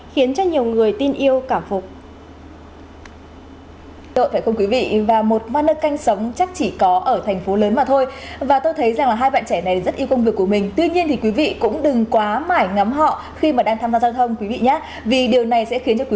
khiến cho nhiều người tin yêu cảm phục